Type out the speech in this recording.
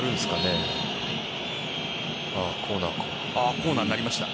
コーナーになりました。